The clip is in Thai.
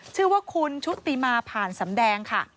ชื่อว่าคุณชุติมาผ่านสำแดงค่ะ